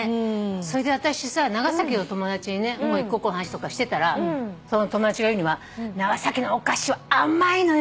そいで私さ長崎の友達にねいっこっこうの話とかしてたらその友達が言うには「長崎のお菓子は甘いのよ」って言うのよ。